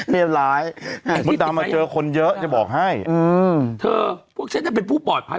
เป็นร้ายมดดำมาเจอคนเยอะจะบอกให้อืมเธอพวกฉันน่ะเป็นผู้ปลอดภัย